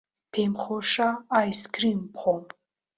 پێم خۆشە ئایسکرێم بخۆم.